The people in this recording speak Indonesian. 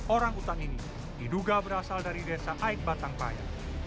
orang utan ini diduga berasal dari desa aik batangpaya